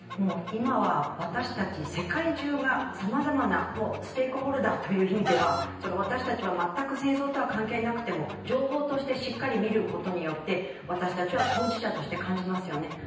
今は私たち世界中がさまざまな、ステークホルダーという意味では私たちは全く戦争とは関係なくても情報としてしっかり見ることによって私たちは当事者として感じますよね。